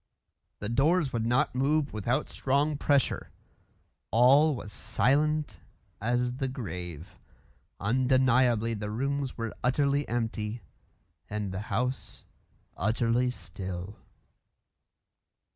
The doors would not move without strong pressure. All was silent as the grave. Undeniably the rooms were utterly empty, and the house utterly still.